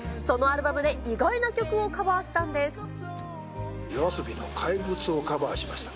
そのアルバムで意外な曲をカバーしたんです。